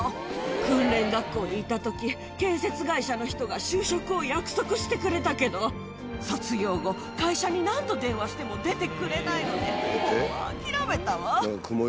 訓練学校にいたとき、建設会社の人が就職を約束してくれたけど、卒業後、会社に何度電話しても出てくれないので、もう諦めたわ。